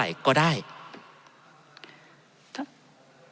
ท่านประธานครับนี่คือสิ่งที่สุดท้ายของท่านครับ